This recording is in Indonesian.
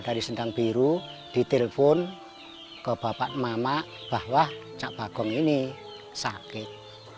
dari sendang biru ditelepon ke bapak mama bahwa cak bagong ini sakit